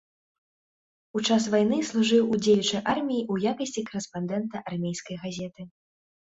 У час вайны служыў у дзеючай арміі ў якасці карэспандэнта армейскай газеты.